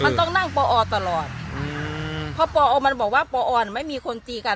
มันต้องนั่งตลอดอืมพอมันบอกว่าไม่มีคนตีกัน